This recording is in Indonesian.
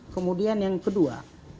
kemudian yang kedua